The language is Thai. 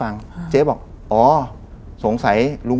แล้วพี่่ลบอกเป็นดูครับ